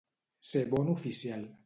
Ser bon oficial.